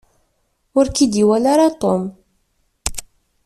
Ur k-id-iwala ara Tom.